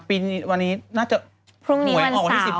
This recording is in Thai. ปีวันนี้น่าจะปล่วยออก